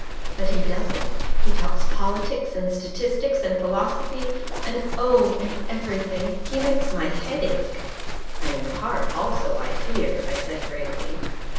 But he doesn't. He talks politics and statistics and philosophy and ... oh, and everything. He makes my head ache." "And your heart also, I fear," I said gravely.